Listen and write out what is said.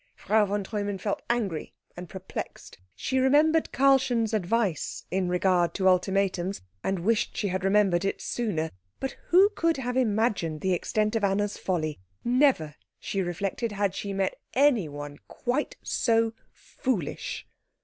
Frau von Treumann felt angry and perplexed. She remembered Karlchen's advice in regard to ultimatums, and wished she had remembered it sooner; but who could have imagined the extent of Anna's folly? Never, she reflected, had she met anyone quite so foolish.